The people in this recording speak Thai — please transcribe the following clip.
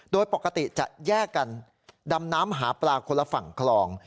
โดยปกติจะแยกกันดำน้ำหาปลาคนละฝั่งคลอง